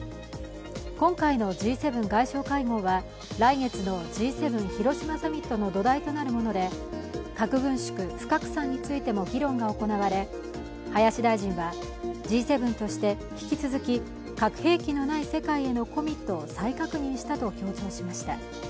今回のＧ７外相会合は来月のＧ７広島サミットの土台となるもので、核軍縮・不拡散についても議論が行われ林大臣はＧ７として引き続き核兵器のない世界へのコミットを再確認したと強調しました。